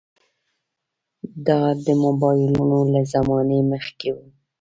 دا د موبایلونو له زمانې مخکې وو.